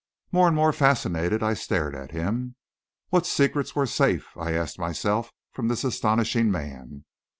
More and more fascinated, I stared at him. What secret was safe, I asked myself, from this astonishing man?